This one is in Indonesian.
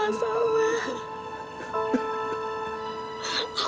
bapak nggak salah